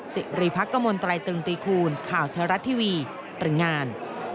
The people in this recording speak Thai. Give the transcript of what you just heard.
สิริพักษ์กระมวลไตรตึงตีคูณข่าวแท้รัฐทีวีตรึงงาน